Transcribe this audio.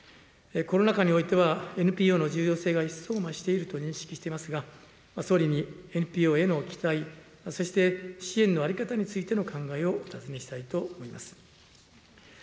コロナ禍においては、ＮＰＯの重要性が一層増していると認識していますが、総理にＮＰＯへの期待、そして支援の在り方についての考えをお尋ねしたいと思います。